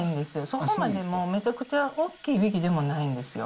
そこまでめちゃくちゃ大きいいびきでもないんですよ。